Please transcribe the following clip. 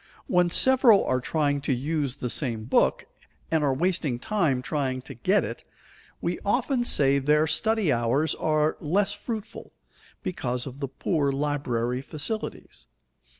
When several are trying to use the same book, and are wasting time trying to get it, we often say their study hours are less fruitful because of the poor library facilities.